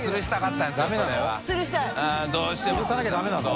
つるさなきゃダメなの？